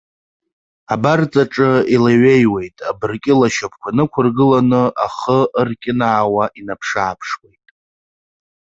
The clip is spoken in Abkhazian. Абарҵаҿы илеиҩеиуеит, абыркьыл ашьапқәа нықәыргыланы, ахы ыркьынаауа инаԥшы-ааԥшуеит.